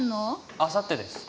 あさってです